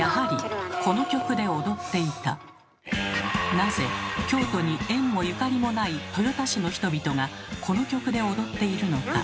なぜ京都に縁もゆかりもない豊田市の人々がこの曲で踊っているのか。